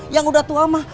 yang udah tua mah